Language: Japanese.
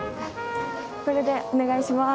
これでお願いします。